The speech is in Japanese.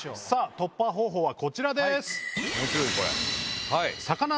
突破方法はこちらです。